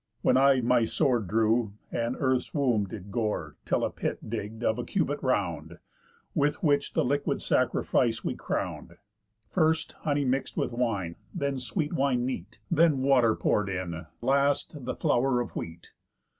When I my sword drew, and earth's womb did gore Till I a pit digg'd of a cubit round, Which with the liquid sacrifice we crown'd, First honey mix'd with wine, then sweet wine neat, Then water pour'd in, last the flour of wheat.